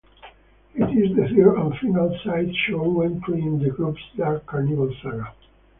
It is the third and final "sideshow" entry in the group's Dark Carnival saga.